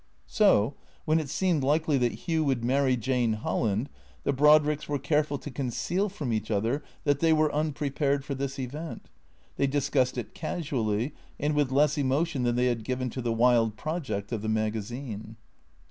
So, when it seemed likely that Hugh would marry Jane Hol land, the Brodricks were careful to conceal from each other that they were unprepared for this event. They. discussed it casually, and with less emotion than they had given to the wild project of the magazine.